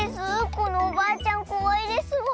このおばあちゃんこわいですわ。